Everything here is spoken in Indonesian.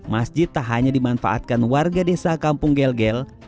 masjid tak hanya dimanfaatkan warga desa kampung gel gel